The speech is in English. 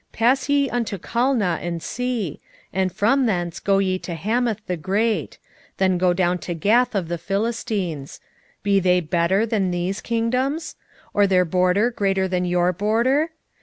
6:2 Pass ye unto Calneh, and see; and from thence go ye to Hamath the great: then go down to Gath of the Philistines: be they better than these kingdoms? or their border greater than your border?